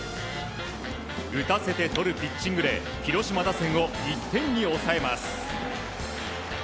打たせてとるピッチングで広島打線を１点に抑えます。